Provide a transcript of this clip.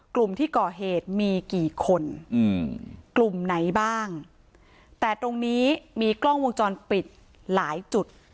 กลุ่มที่ก่อเหตุมีกี่คนอืมกลุ่มไหนบ้างแต่ตรงนี้มีกล้องวงจรปิดหลายจุด